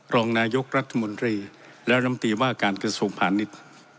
รองนายกรัฐมนตรีและรำตีว่าการกระสูงผ่านนิด